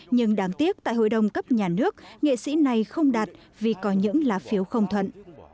nhưng đáng tiếc tại hội đồng cấp nhà nước nghệ sĩ này không đạt vì có những lá phiếu không thuận